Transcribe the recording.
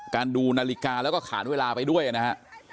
ดูนาฬิกาแล้วก็ขานเวลาไปด้วยนะฮะ